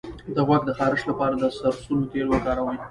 د غوږ د خارش لپاره د سرسونو تېل وکاروئ